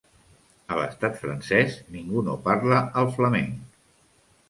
A l'estat francès ningú no parla el flamenc